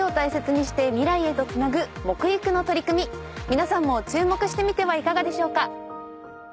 皆さんも注目してみてはいかがでしょうか。